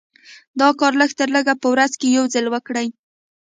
دا کار لږ تر لږه په ورځ کې يو ځل وکړئ.